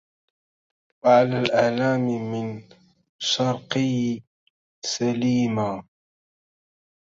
وعلى الأعلام من شرقي سليمى